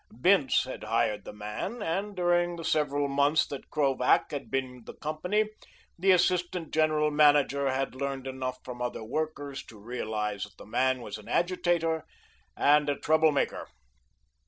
Bince had hired the man, and during the several months that Krovac had been with the company, the assistant general manager had learned enough from other workers to realize that the man was an agitator and a troublemaker.